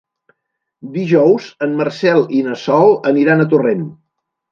Dijous en Marcel i na Sol aniran a Torrent.